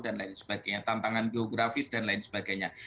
dan lain sebagainya tantangan geografis dan lain sebagainya